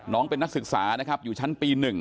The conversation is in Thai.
น้องเป็นนักศึกษานะครับอยู่ชั้นปี๑